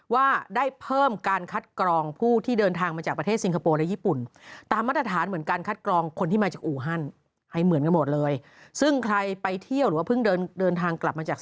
ว่าได้เพิ่มการคัดกรองผู้ที่เดินทางมาจากประเทศสิงคโปร์และญี่ปุ่น